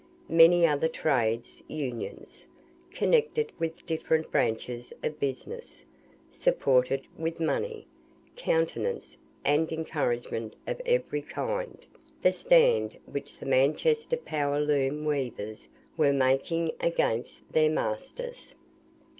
Many other Trades' Unions, connected with different branches of business, supported with money, countenance, and encouragement of every kind, the stand which the Manchester power loom weavers were making against their masters.